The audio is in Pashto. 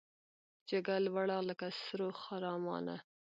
جګه لوړه لکه سرو خرامانه